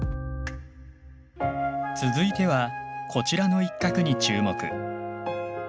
続いてはこちらの一画に注目。